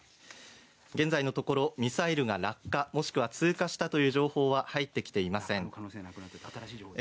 現在のところミサイルが落下もしくは通過したという情報は入ってきていません。